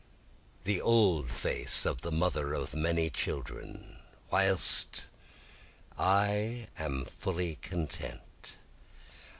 5 The old face of the mother of many children, Whist! I am fully content.